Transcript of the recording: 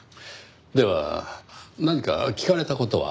では何か聞かれた事は？